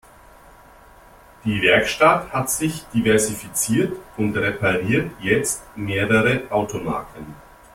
Die Werkstatt hat sich diversifiziert und repariert jetzt mehrere Automarken.